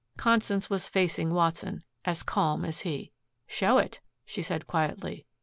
Constance was facing Watson, as calm as he. "Show it," she said quietly.